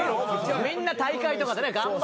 みんな大会とか。